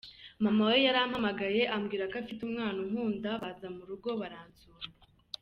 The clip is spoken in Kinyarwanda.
Mama we yarampamagaye ambwira ko afite umwana unkunda, baza mu rugo baransura.